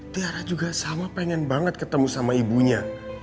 tiara juga sama pengen banget ketemu sama ibunya